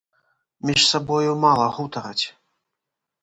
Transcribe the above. Між сабою мала гутараць.